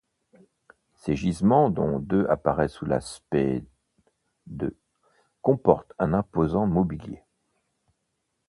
Ces gisements, dont deux apparaissent sous l'aspect d', comportent un imposant mobilier.